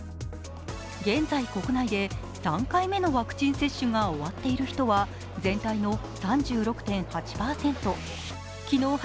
現在、国内で３回目のワクチン接種が終わっている人は、全体の３６．８％。